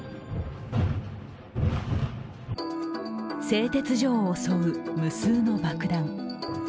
製鉄所を襲う無数の爆弾。